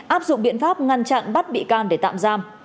áp dụng biện pháp ngăn chặn bắt bị can để tạm giam